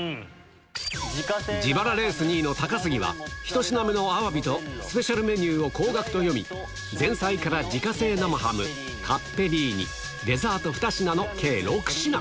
自腹レース２位の高杉は、１品目のアワビとスペシャルメニューを高額と読み、前菜から自家製生ハム、カッペリーニ、デザート２品の計６品。